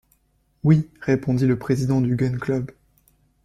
Oui, répondit le président du Gun-Club.